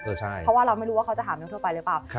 เพราะว่าเราไม่รู้ว่าเขาจะถามเรื่องทั่วไปหรือเปล่า